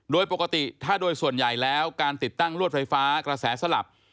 โดยปกติถ้าโดยส่วนใหญ่แล้วการติดตั้งลวดไฟฟ้ากระแสสลับ